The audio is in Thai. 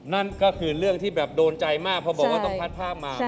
นั่นก็คือเรื่องที่โดนใจมากเขาบอกว่าต้องพัดภาคมาก